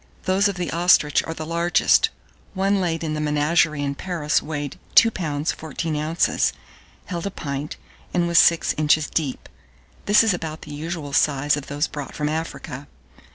Those of the ostrich are the largest: one laid in the menagerie in Paris weighed 2 lbs. 14 oz., held a pint, and was six inches deep: this is about the usual size of those brought from Africa.